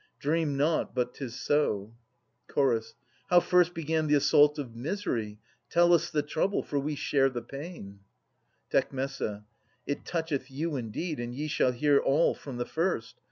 Dream not but 'tis so. Ch. How first began the assault of misery? Tell us the trouble, for we share the pain. Tec. It toucheth you indeed, and ye shall hear All from the first.